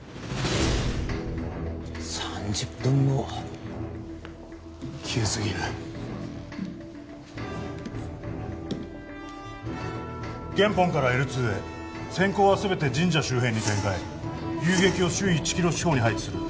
３０分後急すぎるゲンポンからＬ２へセンコウは全て神社周辺に展開ユウゲキを周囲１キロ四方に配置する